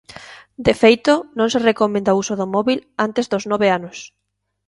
De feito, non se recomenda o uso do móbil antes dos nove anos.